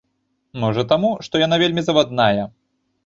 Можа, таму, што яна вельмі завадная.